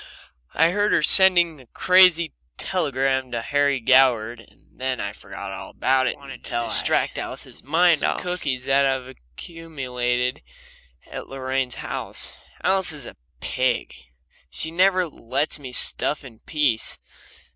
I heard her sending a crazy telegram to Harry Goward, and then I forgot all about it until I wanted to distract Alice's mind off some cookies that I'd accumulated at Lorraine's house. Alice is a pig. She never lets me stuff in peace.